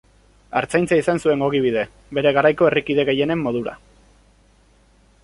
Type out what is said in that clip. Artzaintza izan zuen ogibide, bere garaiko herrikide gehienen modura.